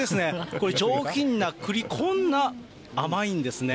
これ、上品なくり、こんな甘いんですね。